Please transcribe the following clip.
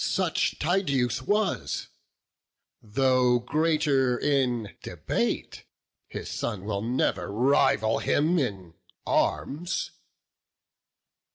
Such Tydeus was: though greater in debate, His son will never rival him in arms."